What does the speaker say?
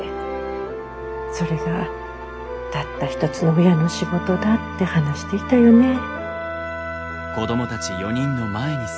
それがたった一つの親の仕事だって話していたよねぇ。